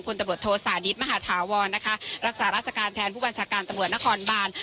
พลตำบริโฆษณ์สาดิสต์มหาธาวรนะคะรักษารัชการแทนผู้บัญชาการตำบริโฆษณ์นครบาน